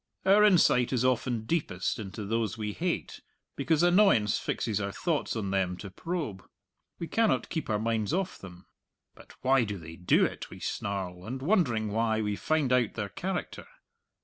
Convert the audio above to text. Our insight is often deepest into those we hate, because annoyance fixes our thought on them to probe. We cannot keep our minds off them. "Why do they do it?" we snarl, and wondering why, we find out their character.